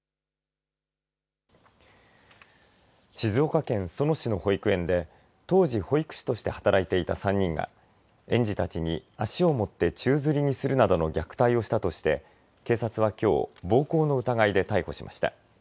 静岡県裾野市の保育園で当時保育士として働いていた３人が園児たちに足を持って宙づりにするなどの虐待をしたとして警察はきょう暴行の疑いで逮捕しました。